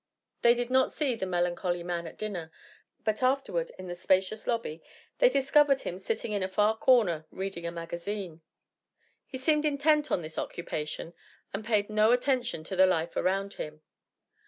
They did not see the melancholy man at dinner; but afterward, in the spacious lobby, they discovered him sitting in a far corner reading a magazine. He seemed intent on this occupation and paid no attention to the life around him.